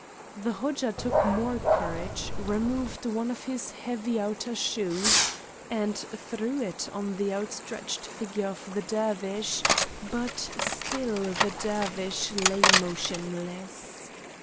The Hodja took more courage, removed one of his heavy outer shoes and threw it on the outstretched figure of the Dervish, but still the Dervish lay motionless.